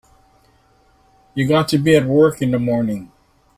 You've got to be at work in the morning.